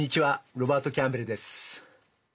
ロバート・キャンベルです。